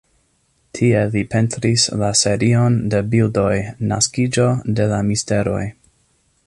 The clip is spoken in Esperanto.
Tie li pentris la serion de bildoj Naskiĝo de la misteroj.